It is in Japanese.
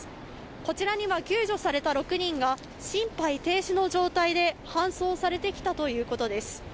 こちらには救助された６人が、心肺停止の状態で搬送されてきたということです。